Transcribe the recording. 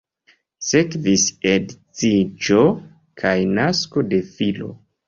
Sekvis edziĝo kaj nasko de filo.